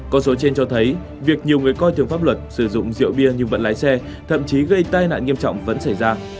con số trên cho thấy việc nhiều người coi thường pháp luật sử dụng rượu bia nhưng vẫn lái xe thậm chí gây tai nạn nghiêm trọng vẫn xảy ra